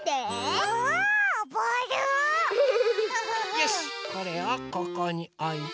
よしこれをここにおいて。